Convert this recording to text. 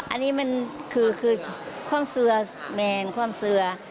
อันนี้มันคือความเสื้อแมงคว่างเสือ